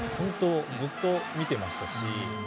ずっと見ていましたし。